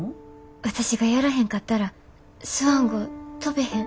私がやらへんかったらスワン号飛ベへん。